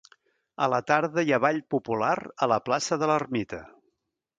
A la tarda, hi ha ball popular a la plaça de l'ermita.